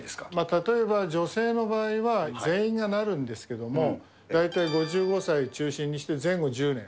例えば女性の場合は、全員がなるんですけれども、大体５５歳中心にして、前後１０年。